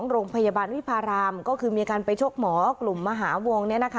โรงพยาบาลวิพารามก็คือมีอาการไปชกหมอกลุ่มมหาวง